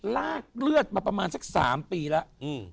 ลากเลือดมาประมาณสัก๓ปีแล้ว